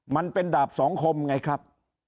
มันเป็นดาบสองคมไงครับ